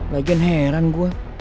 lagian heran gua